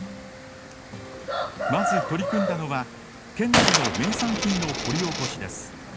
まず取り組んだのは県内の名産品の掘りおこしです。